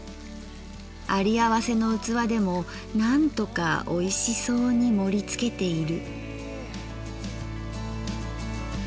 あり合わせの器でもなんとか美味しそうに盛りつけている」。